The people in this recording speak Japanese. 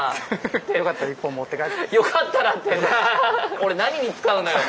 俺何に使うのよ！